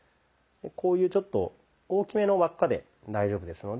こういうちょっと大きめの輪っかで大丈夫ですので。